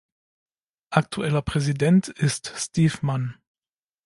Aktueller Präsident ist Steve Mann.